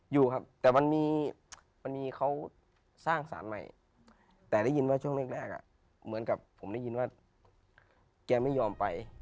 อยู่ครับแต่มันมีมันมีเขาสร้างสารใหม่แต่ได้ยินว่าช่วงแรกเหมือนกับผมได้ยินว่าแกไม่ยอมไป